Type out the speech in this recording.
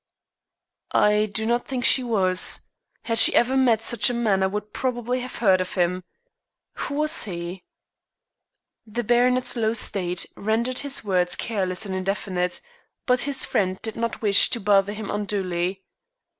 "I do not think she was. Had she ever met such a man I should probably have heard of him. Who was he?" The baronet's low state rendered his words careless and indefinite, but his friend did not wish to bother him unduly.